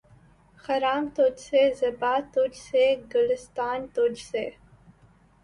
خرام تجھ سے‘ صبا تجھ سے‘ گلستاں تجھ سے